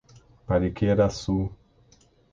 Pariquera-Açu